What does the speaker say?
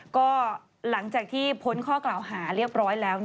ก็หลังจากที่พ้นข้อกล่าวหาเรียบร้อยแล้ว